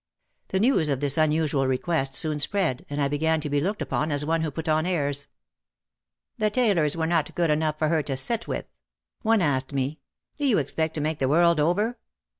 The news of this unusual request soon spread and I began to be looked upon as one who put on airs. "The tailors were not good enough for her to sit with." One asked me: "Do you expect to make the world over?'